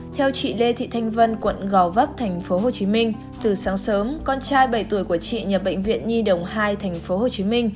theo chị lê thị thanh vân quận gò vấp tp hcm từ sáng sớm con trai bảy tuổi của chị nhập bệnh viện nhi đồng hai tp hcm